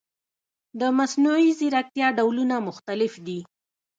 د مصنوعي ځیرکتیا ډولونه مختلف دي.